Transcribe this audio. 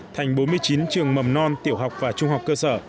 thành bốn mươi chín trường mầm non tiểu học và trung học cơ sở